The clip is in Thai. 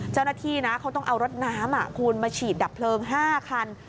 เจ้าหน้าที่นะเขาต้องเอารถน้ำคุณมาฉีดดับเพลิง๕คัน